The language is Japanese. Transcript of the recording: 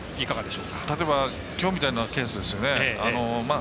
例えば、きょうみたいなケースですよね。